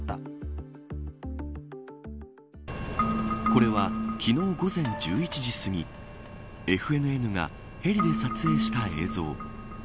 これは昨日午前１１時すぎＦＮＮがヘリで撮影した映像。